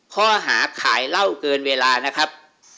ข้อหาขายเหล้าเกินเวลานะครับ